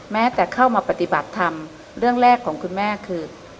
แม้แต่เข้ามาปฏิบัติธรรมเรื่องแรกของคุณแม่คือ